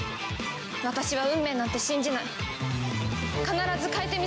私は運命なんて信じない。